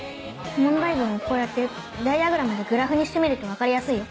問題文をこうやってダイヤグラムでグラフにしてみると分かりやすいよ。